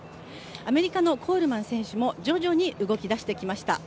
アメリカのコールマン選手も徐々に動き出してきました。